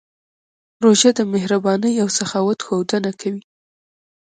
روژه د مهربانۍ او سخاوت ښودنه کوي.